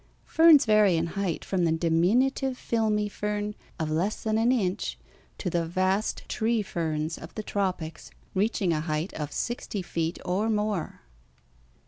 Ferns vary in height from the diminutive filmy fern of less than an inch to the vast tree ferns of the tropics, reaching a height of sixty feet or more.